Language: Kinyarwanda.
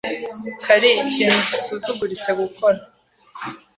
Cari ikintu gisuzuguritse gukora.